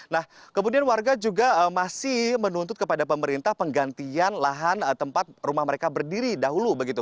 nah kemudian warga juga masih menuntut kepada pemerintah penggantian lahan tempat rumah mereka berdiri dahulu begitu